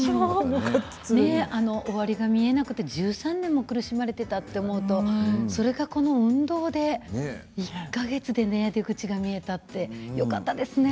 終わりが見えなくて１３年も苦しまれていたと思うとそれがこの運動で１か月で出口が見えたってよかったですね。